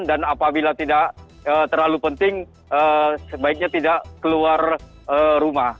dan apabila tidak terlalu penting sebaiknya tidak keluar rumah